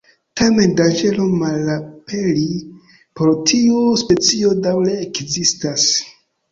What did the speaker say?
Tamen danĝero malaperi por tiu specio daŭre ekzistas.